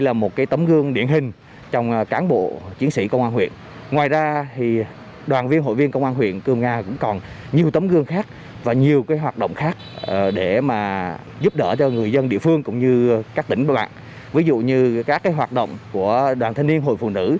với những việc làm thiết thực ý nghĩa trên thời gian qua cán bộ chiến sĩ công an huyện cư mở ga đã nhận được sự đồng tình ghi nhận và nhiều lá thư cảm ơn của nhân dân